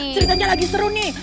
ceritanya lagi seru nih